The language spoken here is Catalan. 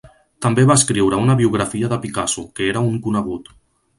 També va escriure una biografia de Picasso, que era un conegut.